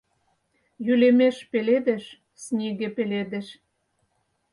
Йӱлемеш пеледеш - снеге пеледеш